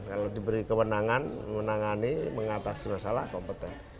kalau diberi kewenangan menangani mengatasi masalah kompeten